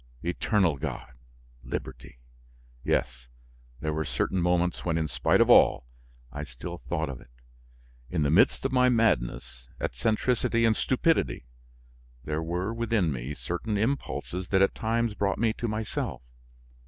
Eternal God, liberty! Yes, there were certain moments when, in spite of all, I still thought of it. In the midst of my madness, eccentricity, and stupidity, there were within me certain impulses that at times brought me to myself.